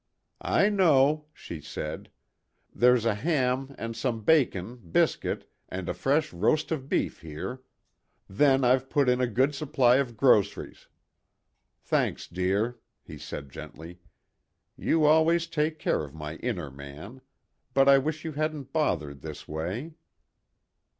"I know," she said. "There's a ham and some bacon, biscuit, and a fresh roast of beef here. Then I've put in a good supply of groceries." "Thanks, dear," he said gently. "You always take care of my inner man. But I wish you hadn't bothered this way."